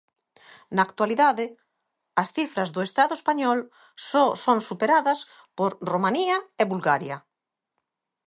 Na actualidade as cifras do Estado Español só son superadas por Romanía e Bulgaria.